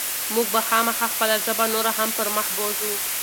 موږ به خامخا خپله ژبه نوره هم پرمخ بوځو.